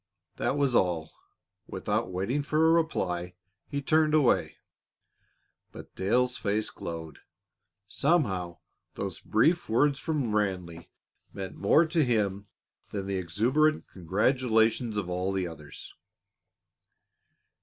That was all. Without waiting for a reply, he turned away. But Dale's face glowed. Somehow those brief words from Ranleigh meant more to him than the exuberant congratulations of all the others.